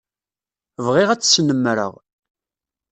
Bɣiɣ ad tt-snemmreɣ.